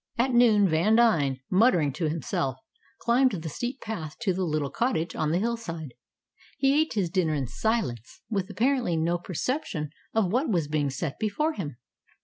At noon Vandine, muttering to himself, climbed the steep path to the little cottage on the hillside. He ate his dinner in silence, with apparently no perception of what was being set before him.